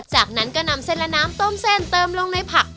จากนั้นก็นำเส้นและน้ำต้มเส้นเติมลงในผัก